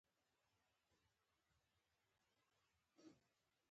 د پردیو پیروۍ تورونه